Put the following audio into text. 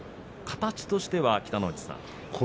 形としては北の富士さん。